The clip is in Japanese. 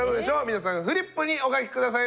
皆さんフリップにお書き下さい。